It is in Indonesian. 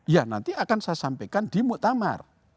ya nanti akan saya sampaikan di muktamar